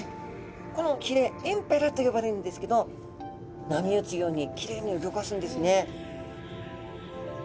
このひれエンペラとよばれるんですけど波打つようにキレイにうギョかすんですね。